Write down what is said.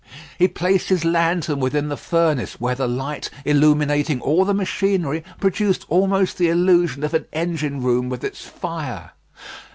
He placed his lantern within the furnace, where the light, illuminating all the machinery, produced almost the illusion of an engine room with its fire.